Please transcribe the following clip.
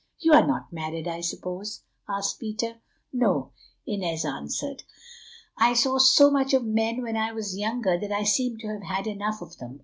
"You are not married, I suppose?" asked Peter. "No," Inez answered; "I saw so much of men when I was younger that I seem to have had enough of them.